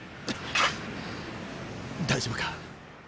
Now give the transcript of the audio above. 大丈夫か？